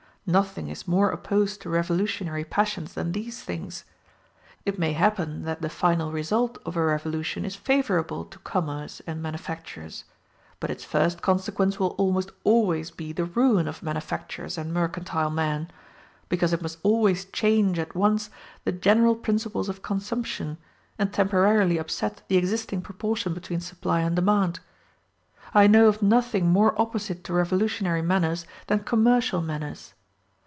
Nothing is more opposed to revolutionary passions than these things. It may happen that the final result of a revolution is favorable to commerce and manufactures; but its first consequence will almost always be the ruin of manufactures and mercantile men, because it must always change at once the general principles of consumption, and temporarily upset the existing proportion between supply and demand. I know of nothing more opposite to revolutionary manners than commercial manners.